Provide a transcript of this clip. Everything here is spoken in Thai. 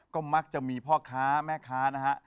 ก็มักจะมีพ่อค้าแม่ค้านะฮะ